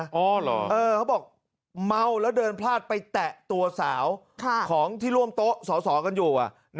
เขาบอกเมาแล้วเดินพลาดไปแตะตัวสาวของที่ร่วมโต๊ะสอสอกันอยู่